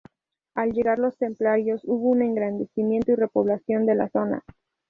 Al llegar los templarios, hubo un engrandecimiento y repoblación de la zona.